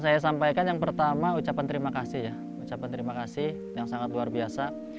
saya sampaikan yang pertama ucapan terima kasih ya ucapan terima kasih yang sangat luar biasa